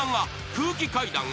空気階段が］